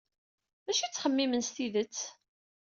D acu ay ttxemmimen s tidet?